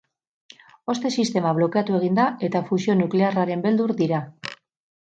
Hozte-sistema blokeatu egin da eta fusio-nuklearraren beldur dira.